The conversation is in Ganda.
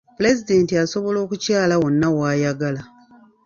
Pulezidenti asobola okukyala wonna w'ayagala.